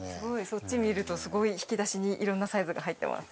そっち見るとすごい引き出しに色んなサイズが入ってます。